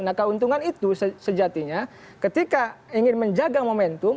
nah keuntungan itu sejatinya ketika ingin menjaga momentum